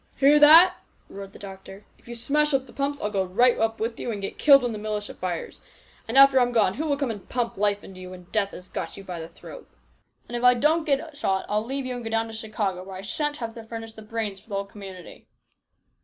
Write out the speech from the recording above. " Hear that !" roared the doctor. "If you smash up the pumps, I'll go right up and get killed with the rest of you when the militia fires. And after I've gone who'll come and pump life into you when death has you by the throat ? And if I don't get shot I'll leave you and go down to Chicago, where I shan't have to furnish the brains for the whole community